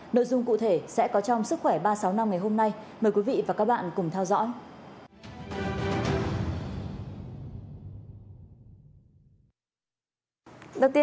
nội dung cụ thể sẽ có trong sức khỏe ba trăm sáu mươi năm ngày hôm nay mời quý vị và các bạn cùng theo dõi